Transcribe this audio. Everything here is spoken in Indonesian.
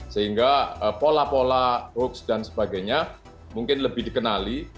sehingga pola pola hoax dan sebagainya mungkin lebih dikenali